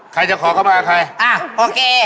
ใครจะขอก็มาใครอ้าโอเค